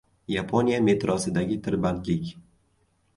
Yaponiya metrosidagi tirbandlik